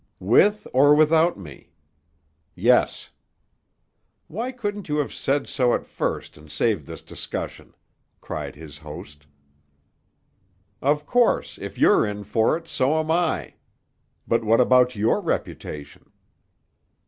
"With, or without me?" "Yes." "Why couldn't you have said so at first and saved this discussion?" cried his host. "Of course, if you're in for it, so am I. But what about your reputation?"